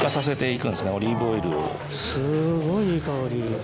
すごいいい香り。